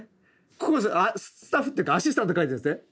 ここはスタッフっていうかアシスタント描いてるんですね。